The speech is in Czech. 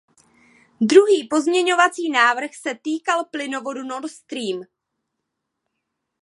Druhý pozměňovací návrh se týkal plynovodu Nord Stream.